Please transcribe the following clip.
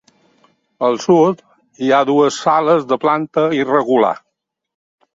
Al sud hi ha dues sales de planta irregular.